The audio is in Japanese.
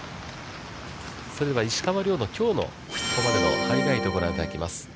それでは石川遼のきょうのここまでのハイライトをご覧いただきます。